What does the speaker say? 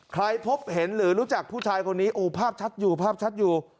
พบเห็นหรือรู้จักผู้ชายคนนี้โอ้ภาพชัดอยู่ภาพชัดอยู่